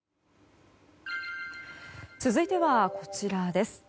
続いてはこちらです。